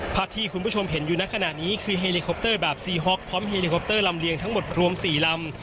ภาพที่คุณผู้ชมเห็นอยู่ในขณะนี้คือเฮลิคอปเตอร์แบบซีฮ็อกพร้อมเฮลิคอปเตอร์ลำเลียงทั้งหมดรวม๔ลำ